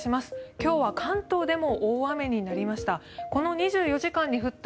今日は関東でも大雨になりました。